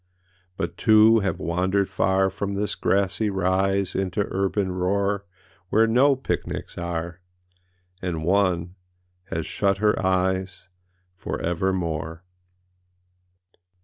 âBut two have wandered far From this grassy rise Into urban roar Where no picnics are, And oneâhas shut her eyes For evermore.